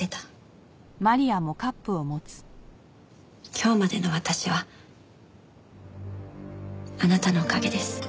今日までの私はあなたのおかげです。